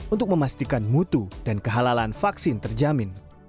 untuk memastikan mutu dan kehalalan vaksin terjamin